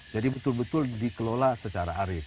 jadi betul betul dikelola secara arif